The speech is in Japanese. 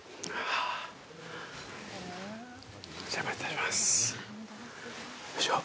お邪魔いたします。